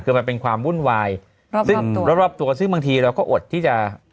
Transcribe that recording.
คือมันเป็นความวุ่นวายรอบซึ่งรอบรอบตัวซึ่งบางทีเราก็อดที่จะ